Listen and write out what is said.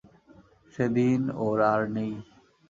সেদিন ওর আর নেই।